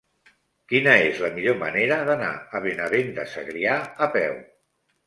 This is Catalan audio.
Quina és la millor manera d'anar a Benavent de Segrià a peu?